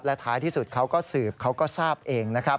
และท้ายที่สุดเขาก็สืบเขาก็ทราบเอง